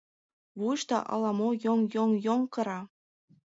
Вуйышто ала-мо йоҥ-йоҥ-йоҥ кыра.